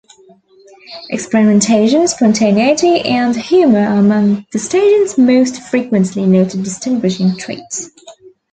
Experimentation, spontaneity and humor are among the station's most frequently noted distinguishing traits.